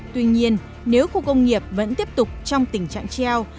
tuy nhiên nếu khu công nghiệp vẫn tiếp tục trong tình trạng treo